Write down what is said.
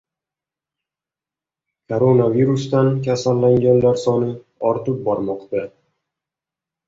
Koronavirusdan kasallanganlar soni ortib bormoqda